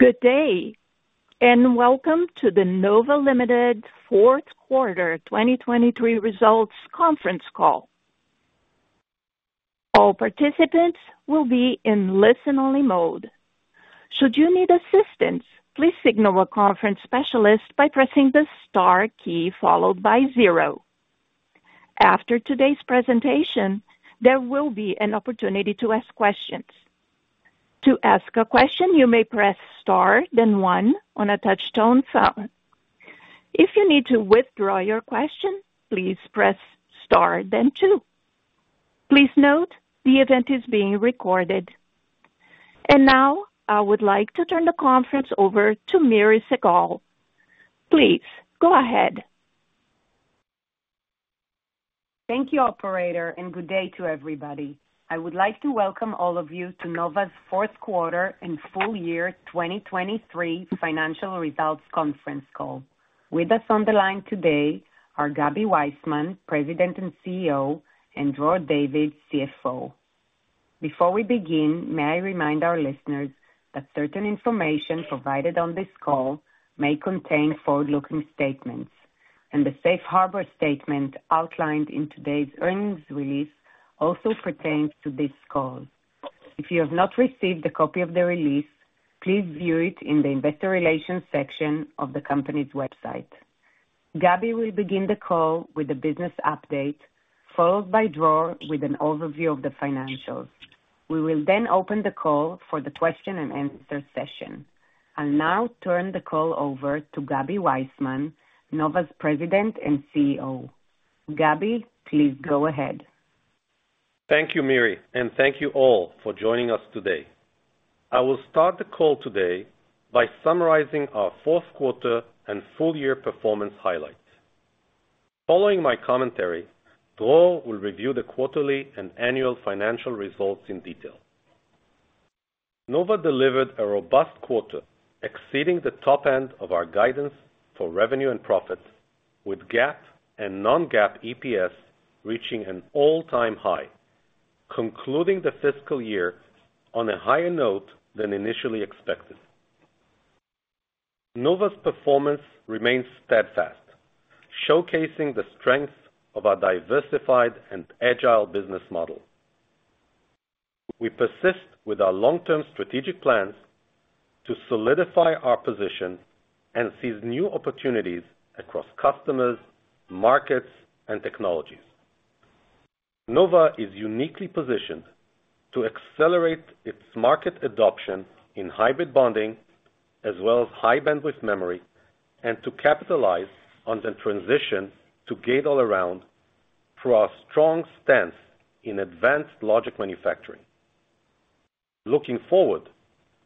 Good day and welcome to the Nova Ltd. fourth quarter 2023 results conference call. All participants will be in listen-only mode. Should you need assistance, please signal a conference specialist by pressing the star key followed by zero. After today's presentation, there will be an opportunity to ask questions. To ask a question, you may press star then one on a touch-tone phone. If you need to withdraw your question, please press star then two. Please note, the event is being recorded. And now I would like to turn the conference over to Miri Segal. Please go ahead. Thank you, operator, and good day to everybody. I would like to welcome all of you to Nova's fourth quarter and full year 2023 financial results conference call. With us on the line today are Gaby Waisman, President and CEO, and Dror David, CFO. Before we begin, may I remind our listeners that certain information provided on this call may contain forward-looking statements, and the safe harbor statement outlined in today's earnings release also pertains to this call. If you have not received a copy of the release, please view it in the investor relations section of the company's website. Gaby will begin the call with a business update followed by Dror with an overview of the financials. We will then open the call for the question-and-answer session. I'll now turn the call over to Gaby Waisman, Nova's President and CEO. Gaby, please go ahead. Thank you, Miri, and thank you all for joining us today. I will start the call today by summarizing our fourth quarter and full year performance highlights. Following my commentary, Dror will review the quarterly and annual financial results in detail. Nova delivered a robust quarter exceeding the top end of our guidance for revenue and profit, with GAAP and non-GAAP EPS reaching an all-time high, concluding the fiscal year on a higher note than initially expected. Nova's performance remains steadfast, showcasing the strength of our diversified and agile business model. We persist with our long-term strategic plans to solidify our position and seize new opportunities across customers, markets, and technologies. Nova is uniquely positioned to accelerate its market adoption in Hybrid Bonding as well as High-Bandwidth Memory, and to capitalize on the transition to Gate-All-Around through our strong stance in advanced logic manufacturing. Looking forward,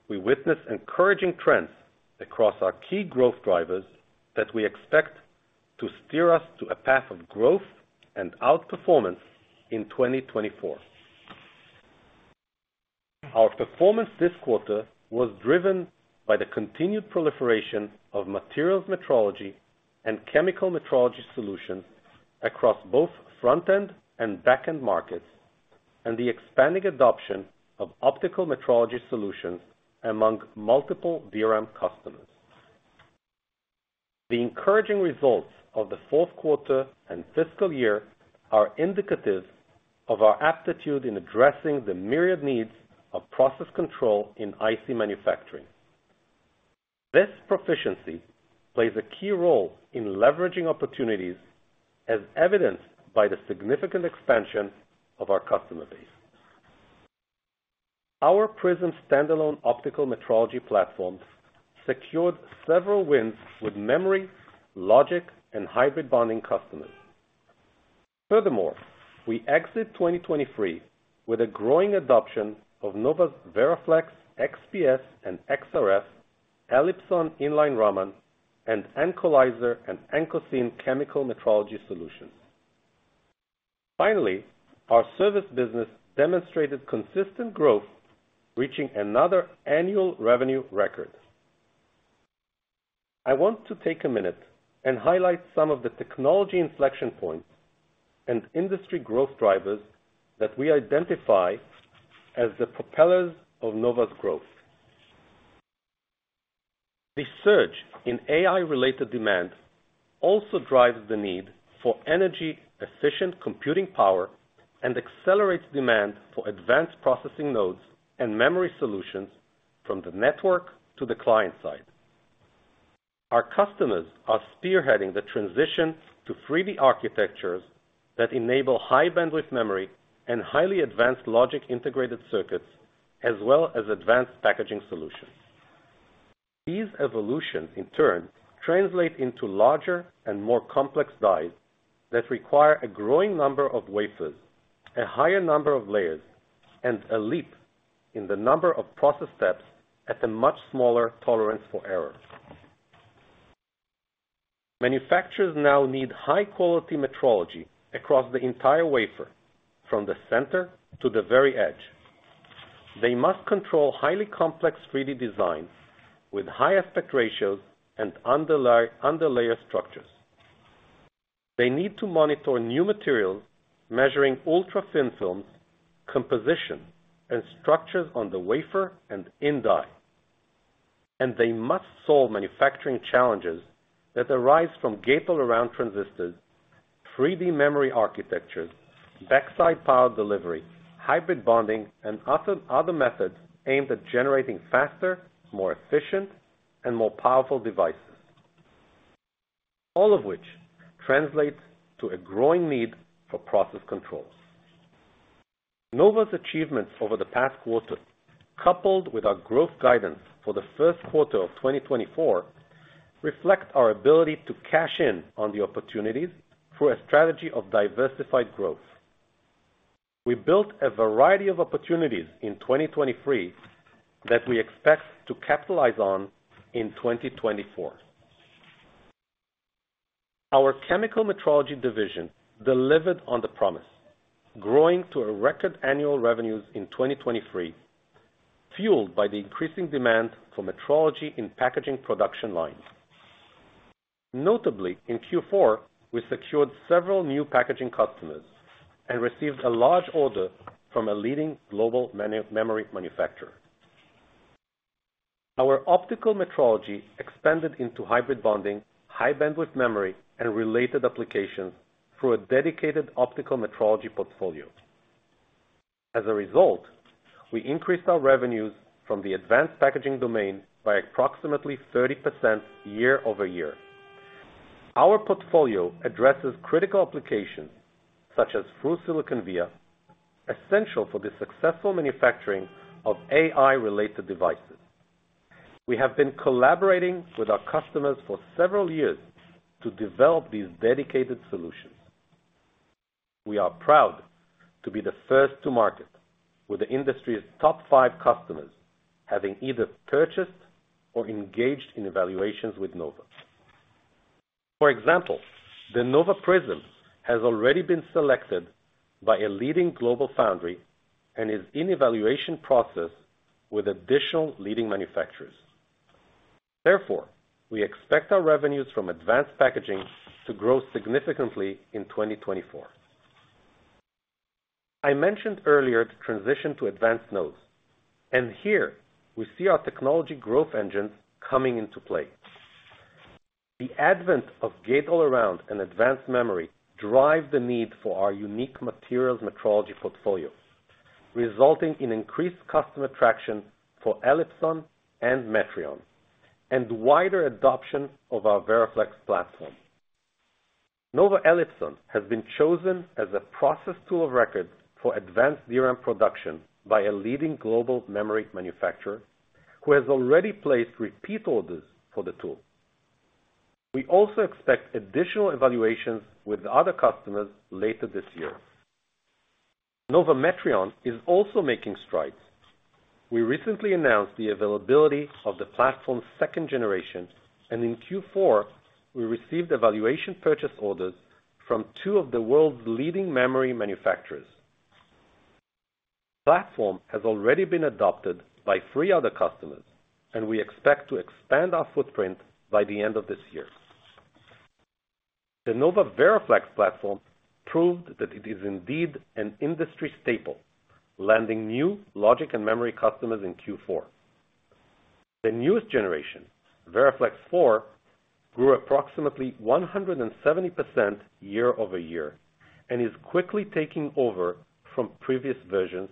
we witness encouraging trends across our key growth drivers that we expect to steer us to a path of growth and outperformance in 2024. Our performance this quarter was driven by the continued proliferation of materials metrology and chemical metrology solutions across both front-end and back-end markets, and the expanding adoption of optical metrology solutions among multiple DRAM customers. The encouraging results of the fourth quarter and fiscal year are indicative of our aptitude in addressing the myriad needs of process control in IC manufacturing. This proficiency plays a key role in leveraging opportunities, as evidenced by the significant expansion of our customer base. Our Prism standalone optical metrology platform secured several wins with memory, logic, and hybrid bonding customers. Furthermore, we exit 2023 with a growing adoption of Nova's VeraFlex, XPS, and XRF, Elipsa Inline-Raman, and Ancolyzer and AncoScan chemical metrology solutions. Finally, our service business demonstrated consistent growth, reaching another annual revenue record. I want to take a minute and highlight some of the technology inflection points and industry growth drivers that we identify as the propellers of Nova's growth. The surge in AI-related demand also drives the need for energy-efficient computing power and accelerates demand for advanced processing nodes and memory solutions from the network to the client side. Our customers are spearheading the transition to 3D architectures that enable high-bandwidth memory and highly advanced logic-integrated circuits, as well as advanced packaging solutions. These evolutions, in turn, translate into larger and more complex dies that require a growing number of wafers, a higher number of layers, and a leap in the number of process steps at a much smaller tolerance for error. Manufacturers now need high-quality metrology across the entire wafer, from the center to the very edge. They must control highly complex 3D designs with high aspect ratios and underlayer structures. They need to monitor new materials measuring ultra-thin films, composition, and structures on the wafer and in-die. And they must solve manufacturing challenges that arise from Gate-All-Around transistors, 3D memory architectures, backside power delivery, Hybrid Bonding, and other methods aimed at generating faster, more efficient, and more powerful devices, all of which translates to a growing need for process control. Nova's achievements over the past quarter, coupled with our growth guidance for the first quarter of 2024, reflect our ability to cash in on the opportunities through a strategy of diversified growth. We built a variety of opportunities in 2023 that we expect to capitalize on in 2024. Our chemical metrology division delivered on the promise, growing to a record annual revenues in 2023, fueled by the increasing demand for metrology in packaging production lines. Notably, in Q4, we secured several new packaging customers and received a large order from a leading global memory manufacturer. Our optical metrology expanded into hybrid bonding, high-bandwidth memory, and related applications through a dedicated optical metrology portfolio. As a result, we increased our revenues from the advanced packaging domain by approximately 30% year-over-year. Our portfolio addresses critical applications such as through-silicon vias, essential for the successful manufacturing of AI-related devices. We have been collaborating with our customers for several years to develop these dedicated solutions. We are proud to be the first to market, with the industry's top five customers having either purchased or engaged in evaluations with Nova. For example, the Nova Prism has already been selected by a leading global foundry and is in evaluation process with additional leading manufacturers. Therefore, we expect our revenues from advanced packaging to grow significantly in 2024. I mentioned earlier the transition to advanced nodes, and here we see our technology growth engines coming into play. The advent of Gate-All-Around and advanced memory drives the need for our unique materials metrology portfolio, resulting in increased customer traction for Elipson and Metrion and wider adoption of our VeraFlex platform. Nova Elipson has been chosen as a process tool of record for advanced DRAM production by a leading global memory manufacturer who has already placed repeat orders for the tool. We also expect additional evaluations with other customers later this year. Nova Metrion is also making strides. We recently announced the availability of the platform's second generation, and in Q4, we received evaluation purchase orders from two of the world's leading memory manufacturers. The platform has already been adopted by three other customers, and we expect to expand our footprint by the end of this year. The Nova VeraFlex platform proved that it is indeed an industry staple, landing new logic and memory customers in Q4. The newest generation, VeraFlex IV, grew approximately 170% year-over-year and is quickly taking over from previous versions,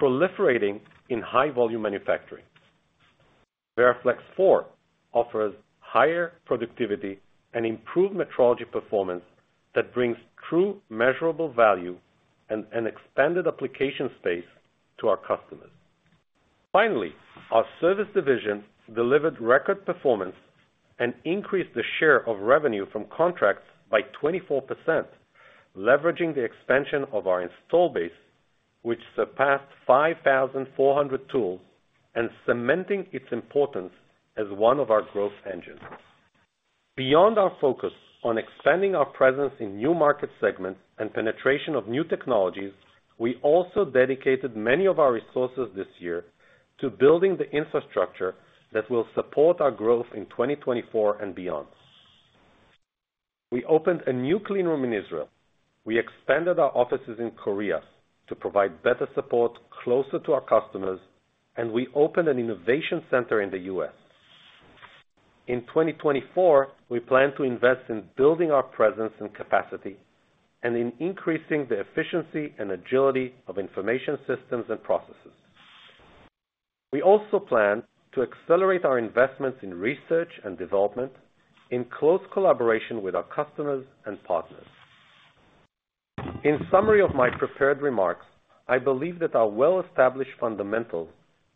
proliferating in high-volume manufacturing. VeraFlex IV offers higher productivity and improved metrology performance that brings true measurable value and an expanded application space to our customers. Finally, our service division delivered record performance and increased the share of revenue from contracts by 24%, leveraging the expansion of our installed base, which surpassed 5,400 tools, and cementing its importance as one of our growth engines. Beyond our focus on expanding our presence in new market segments and penetration of new technologies, we also dedicated many of our resources this year to building the infrastructure that will support our growth in 2024 and beyond. We opened a new cleanroom in Israel. We expanded our offices in Korea to provide better support closer to our customers, and we opened an innovation center in the U.S. In 2024, we plan to invest in building our presence and capacity and in increasing the efficiency and agility of information systems and processes. We also plan to accelerate our investments in research and development in close collaboration with our customers and partners. In summary of my prepared remarks, I believe that our well-established fundamentals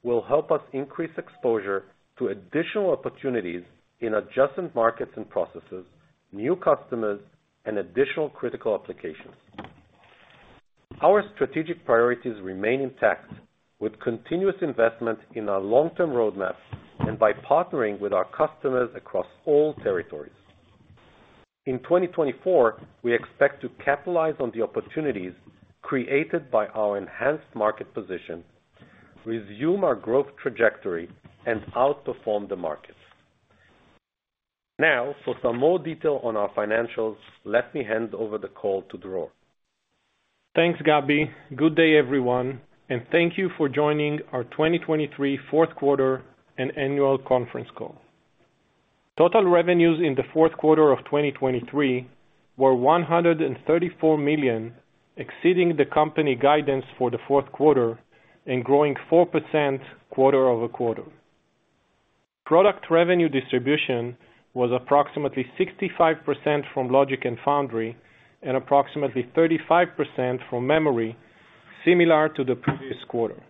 will help us increase exposure to additional opportunities in adjacent markets and processes, new customers, and additional critical applications. Our strategic priorities remain intact, with continuous investment in our long-term roadmap and by partnering with our customers across all territories. In 2024, we expect to capitalize on the opportunities created by our enhanced market position, resume our growth trajectory, and outperform the markets. Now, for some more detail on our financials, let me hand over the call to Dror. Thanks, Gaby. Good day, everyone, and thank you for joining our 2023 fourth quarter and annual conference call. Total revenues in the fourth quarter of 2023 were $134 million, exceeding the company guidance for the fourth quarter and growing 4% quarter-over-quarter. Product revenue distribution was approximately 65% from logic and foundry and approximately 35% from memory, similar to the previous quarter.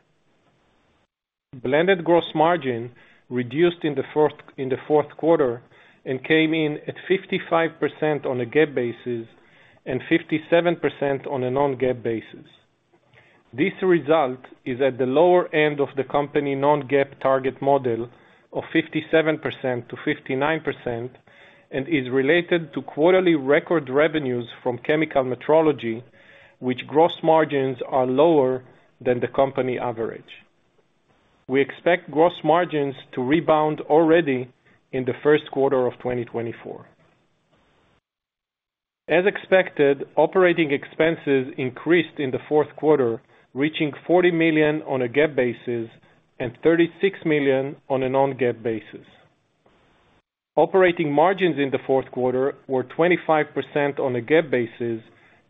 Blended gross margin reduced in the fourth quarter and came in at 55% on a GAAP basis and 57% on a non-GAAP basis. This result is at the lower end of the company non-GAAP target model of 57%-59% and is related to quarterly record revenues from chemical metrology, which gross margins are lower than the company average. We expect gross margins to rebound already in the first quarter of 2024. As expected, operating expenses increased in the fourth quarter, reaching $40 million on a GAAP basis and $36 million on a non-GAAP basis. Operating margins in the fourth quarter were 25% on a GAAP basis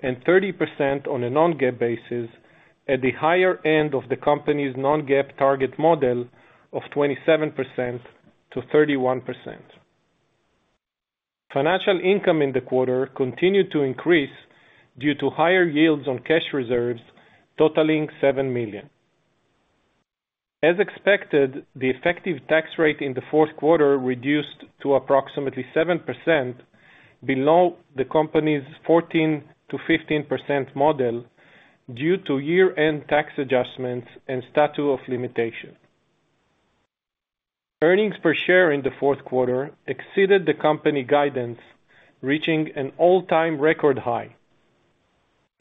and 30% on a non-GAAP basis, at the higher end of the company's non-GAAP target model of 27%-31%. Financial income in the quarter continued to increase due to higher yields on cash reserves, totaling $7 million. As expected, the effective tax rate in the fourth quarter reduced to approximately 7%, below the company's 14%-15% model due to year-end tax adjustments and statute of limitations. Earnings per share in the fourth quarter exceeded the company guidance, reaching an all-time record high.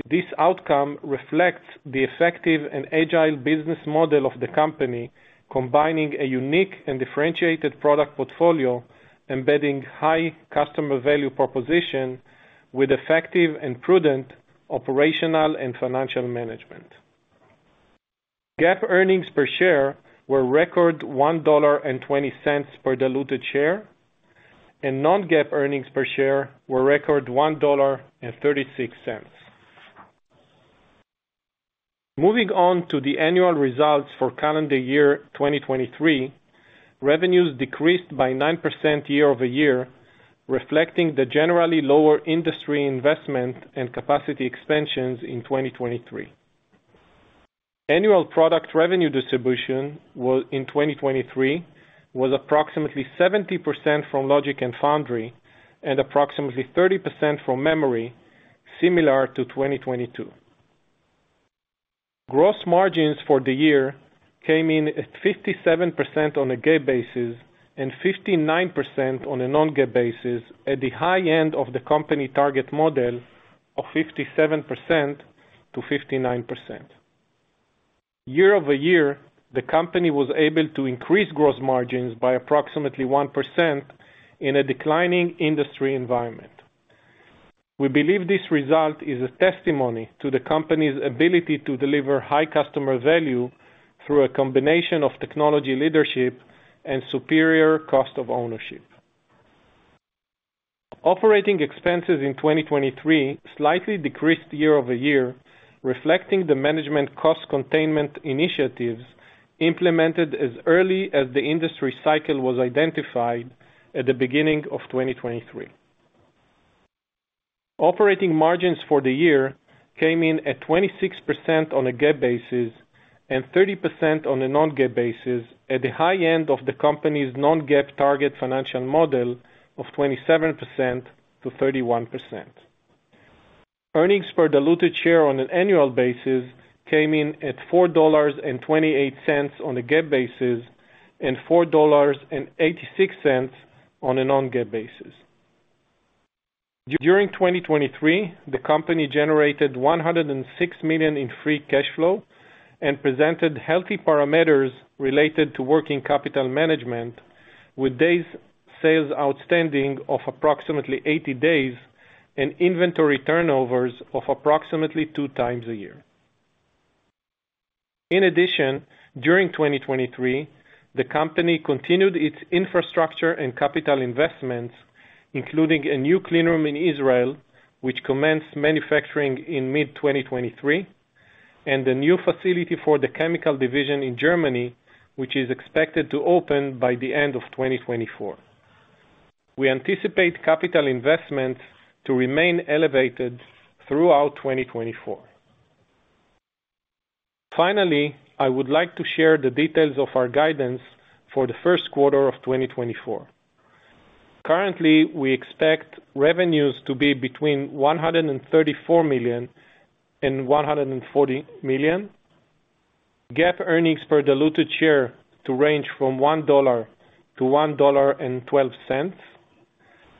This outcome reflects the effective and agile business model of the company, combining a unique and differentiated product portfolio, embedding high customer value proposition with effective and prudent operational and financial management. GAAP earnings per share were record $1.20 per diluted share, and non-GAAP earnings per share were record $1.36. Moving on to the annual results for calendar year 2023, revenues decreased by 9% year-over-year, reflecting the generally lower industry investment and capacity expansions in 2023. Annual product revenue distribution in 2023 was approximately 70% from logic and foundry and approximately 30% from memory, similar to 2022. Gross margins for the year came in at 57% on a GAAP basis and 59% on a non-GAAP basis, at the high end of the company target model of 57%-59%. Year-over-year, the company was able to increase gross margins by approximately 1% in a declining industry environment. We believe this result is a testimony to the company's ability to deliver high customer value through a combination of technology leadership and superior cost of ownership. Operating expenses in 2023 slightly decreased year-over-year, reflecting the management cost containment initiatives implemented as early as the industry cycle was identified at the beginning of 2023. Operating margins for the year came in at 26% on a GAAP basis and 30% on a non-GAAP basis, at the high end of the company's non-GAAP target financial model of 27%-31%. Earnings per diluted share on an annual basis came in at $4.28 on a GAAP basis and $4.86 on a non-GAAP basis. During 2023, the company generated $106 million in free cash flow and presented healthy parameters related to working capital management, with sales outstanding of approximately 80 days and inventory turnovers of approximately two times a year. In addition, during 2023, the company continued its infrastructure and capital investments, including a new cleanroom in Israel, which commenced manufacturing in mid-2023, and a new facility for the chemical division in Germany, which is expected to open by the end of 2024. We anticipate capital investments to remain elevated throughout 2024. Finally, I would like to share the details of our guidance for the first quarter of 2024. Currently, we expect revenues to be between $134 million and $140 million, GAAP earnings per diluted share to range from $1-$1.12,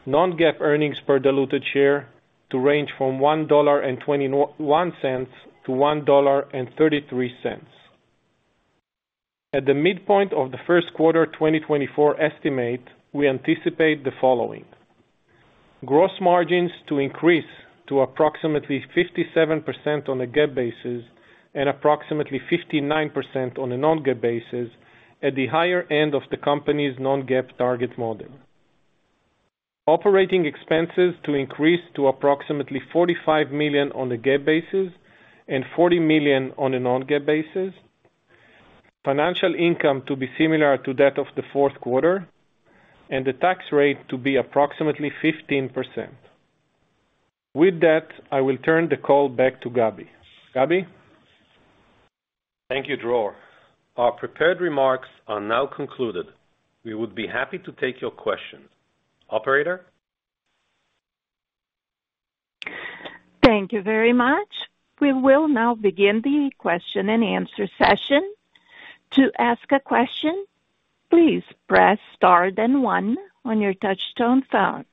non-GAAP earnings per diluted share to range from $1.21-$1.33. At the midpoint of the first quarter 2024 estimate, we anticipate the following: gross margins to increase to approximately 57% on a GAAP basis and approximately 59% on a non-GAAP basis, at the higher end of the company's non-GAAP target model. Operating expenses to increase to approximately $45 million on a GAAP basis and $40 million on a non-GAAP basis. Financial income to be similar to that of the fourth quarter. And the tax rate to be approximately 15%. With that, I will turn the call back to Gaby. Gaby? Thank you, Dror. Our prepared remarks are now concluded. We would be happy to take your questions. Operator? Thank you very much. We will now begin the question-and-answer session. To ask a question, please press star then one on your touch-tone phone.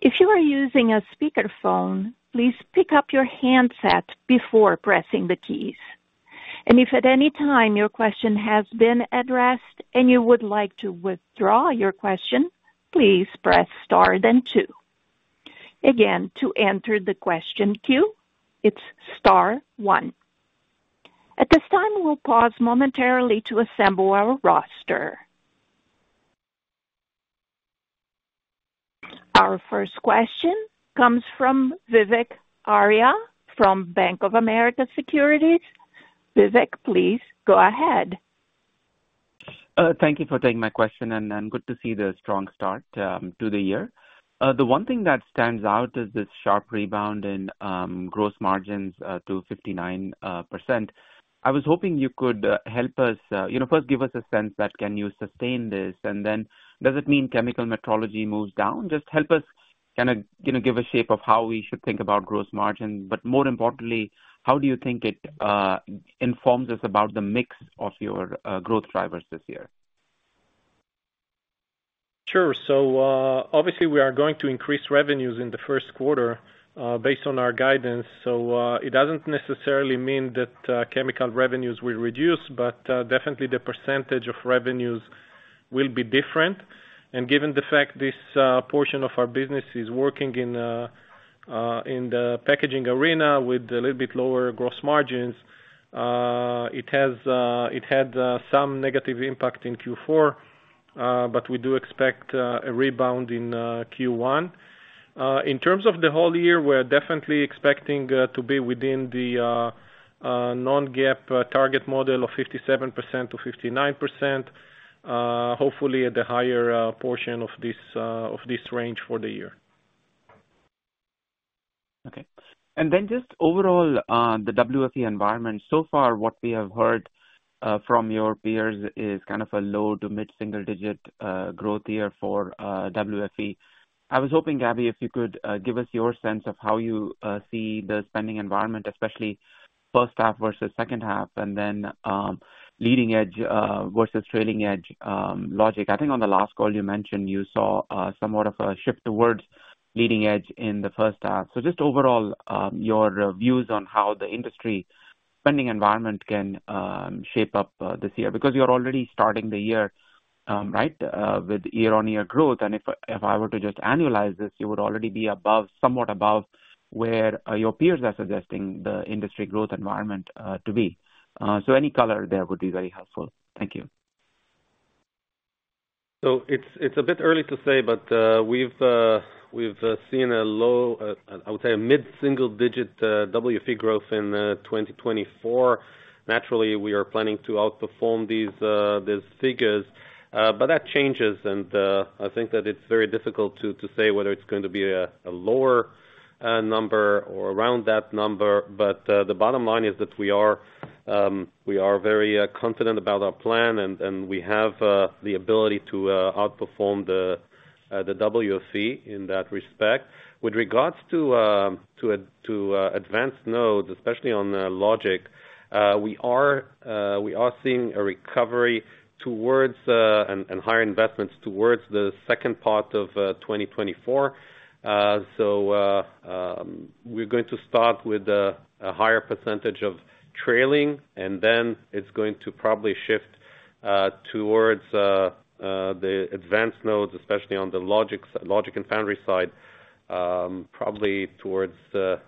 If you are using a speakerphone, please pick up your handset before pressing the keys. And if at any time your question has been addressed and you would like to withdraw your question, please press star then two. Again, to enter the question queue, it's star one. At this time, we'll pause momentarily to assemble our roster. Our first question comes from Vivek Arya from Bank of America Securities. Vivek, please go ahead. Thank you for taking my question, and good to see the strong start to the year. The one thing that stands out is this sharp rebound in gross margins to 59%. I was hoping you could help us first give us a sense that, can you sustain this? And then, does it mean chemical metrology moves down? Just help us kind of give a shape of how we should think about gross margins. But more importantly, how do you think it informs us about the mix of your growth drivers this year? Sure. So obviously, we are going to increase revenues in the first quarter based on our guidance. So it doesn't necessarily mean that chemical revenues will reduce, but definitely the percentage of revenues will be different. And given the fact this portion of our business is working in the packaging arena with a little bit lower gross margins, it had some negative impact in Q4, but we do expect a rebound in Q1. In terms of the whole year, we're definitely expecting to be within the non-GAAP target model of 57%-59%, hopefully at the higher portion of this range for the year. Okay. And then just overall, the WFE environment, so far what we have heard from your peers is kind of a low- to mid-single-digit growth year for WFE. I was hoping, Gaby, if you could give us your sense of how you see the spending environment, especially first half versus second half, and then leading edge versus trailing edge logic. I think on the last call you mentioned you saw somewhat of a shift towards leading edge in the first half. So just overall, your views on how the industry spending environment can shape up this year. Because you're already starting the year, right, with year-over-year growth. And if I were to just annualize this, you would already be somewhat above where your peers are suggesting the industry growth environment to be. So any color there would be very helpful. Thank you. So it's a bit early to say, but we've seen a low, I would say, a mid-single-digit WFE growth in 2024. Naturally, we are planning to outperform these figures. But that changes, and I think that it's very difficult to say whether it's going to be a lower number or around that number. But the bottom line is that we are very confident about our plan, and we have the ability to outperform the WFE in that respect. With regards to advanced nodes, especially on logic, we are seeing a recovery towards and higher investments towards the second part of 2024. So we're going to start with a higher percentage of trailing, and then it's going to probably shift towards the advanced nodes, especially on the logic and foundry side, probably towards the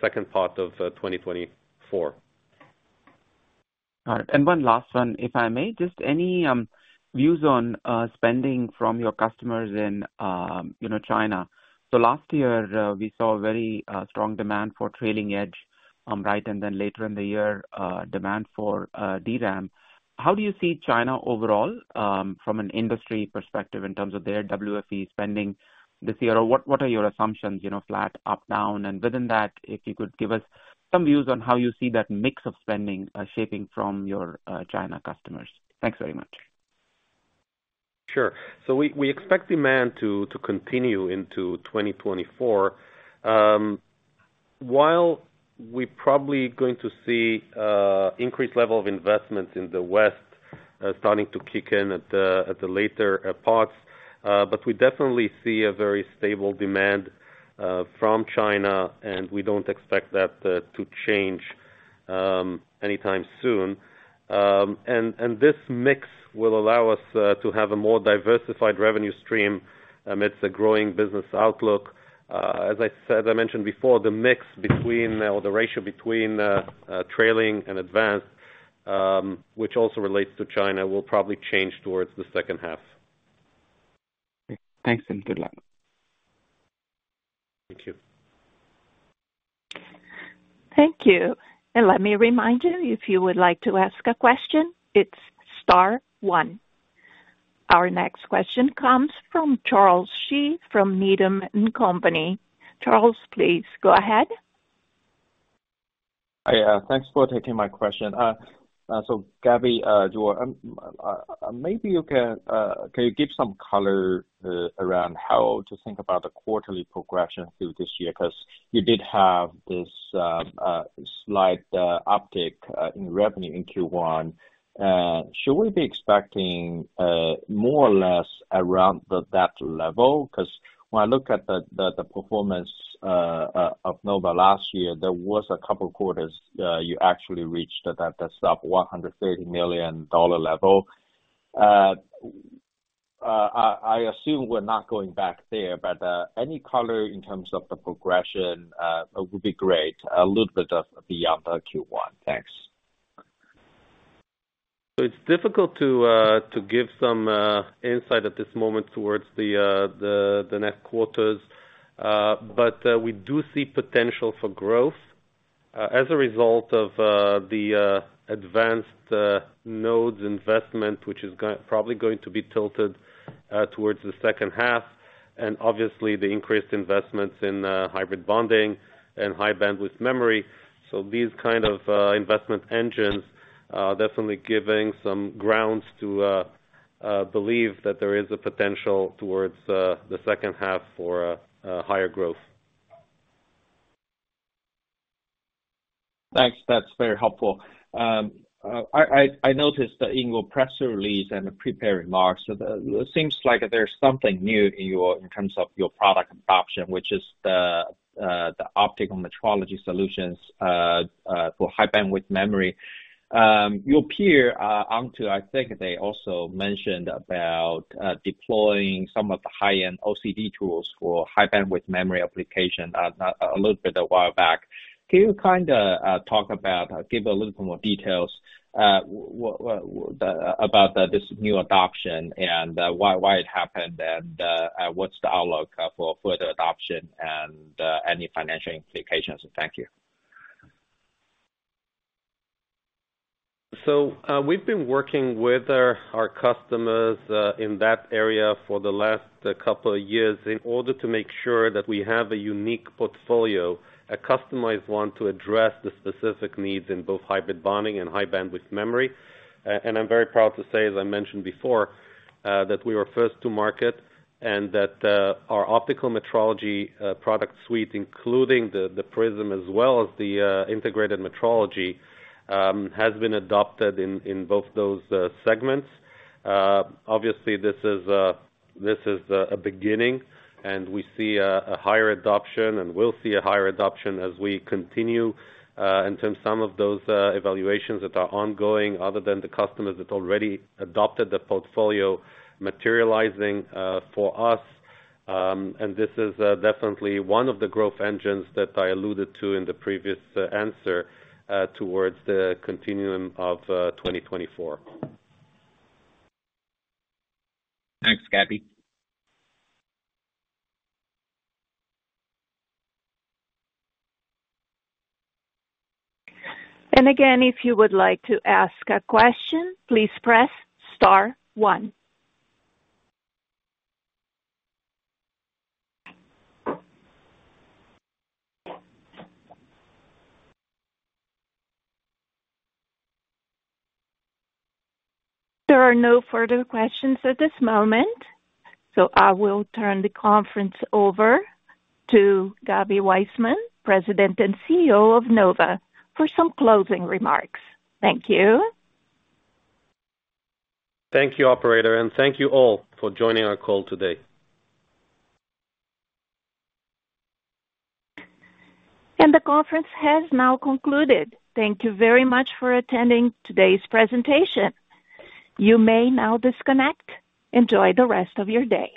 second part of 2024. Got it. And one last one, if I may. Just any views on spending from your customers in China? So last year, we saw very strong demand for trailing edge, right? And then later in the year, demand for DRAM. How do you see China overall from an industry perspective in terms of their WFE spending this year? Or what are your assumptions, flat, up, down? And within that, if you could give us some views on how you see that mix of spending shaping from your China customers. Thanks very much. Sure. So we expect demand to continue into 2024, while we're probably going to see an increased level of investments in the West starting to kick in at the later parts. But we definitely see a very stable demand from China, and we don't expect that to change anytime soon. And this mix will allow us to have a more diversified revenue stream amidst a growing business outlook. As I mentioned before, the mix between or the ratio between trailing and advanced, which also relates to China, will probably change towards the second half. Thanks, and good luck. Thank you. Thank you. Let me remind you, if you would like to ask a question, it's star one. Our next question comes from Charles Shi from Needham & Company. Charles, please go ahead. Hi. Thanks for taking my question. So Gaby, maybe you can give some color around how to think about the quarterly progression through this year because you did have this slight uptick in revenue in Q1. Should we be expecting more or less around that level? Because when I look at the performance of Nova last year, there was a couple of quarters you actually reached that sub-$130 million level. I assume we're not going back there, but any color in terms of the progression would be great, a little bit beyond Q1. Thanks. So it's difficult to give some insight at this moment towards the next quarters, but we do see potential for growth as a result of the advanced nodes investment, which is probably going to be tilted towards the second half. And obviously, the increased investments in Hybrid Bonding and High-Bandwidth Memory. So these kind of investment engines are definitely giving some grounds to believe that there is a potential towards the second half for higher growth. Thanks. That's very helpful. I noticed in your press release and the prepared remarks, it seems like there's something new in terms of your product adoption, which is the optical metrology solutions for High-Bandwidth Memory. Your peer, Onto, I think they also mentioned about deploying some of the high-end OCD tools for High-Bandwidth Memory application a little bit a while back. Can you kind of talk about give a little bit more details about this new adoption and why it happened, and what's the outlook for further adoption and any financial implications? Thank you. So we've been working with our customers in that area for the last couple of years in order to make sure that we have a unique portfolio, a customized one to address the specific needs in both hybrid bonding and High-Bandwidth Memory. And I'm very proud to say, as I mentioned before, that we were first to market and that our optical metrology product suite, including the Prism as well as the integrated metrology, has been adopted in both those segments. Obviously, this is a beginning, and we see a higher adoption, and we'll see a higher adoption as we continue in terms of some of those evaluations that are ongoing, other than the customers that already adopted the portfolio materializing for us. And this is definitely one of the growth engines that I alluded to in the previous answer towards the continuum of 2024. Thanks, Gaby. And again, if you would like to ask a question, please press star one. There are no further questions at this moment, so I will turn the conference over to Gaby Waisman, President and CEO of Nova, for some closing remarks. Thank you. Thank you, Operator, and thank you all for joining our call today. The conference has now concluded. Thank you very much for attending today's presentation. You may now disconnect. Enjoy the rest of your day.